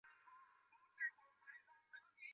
城铁在此设有伊萨尔门站。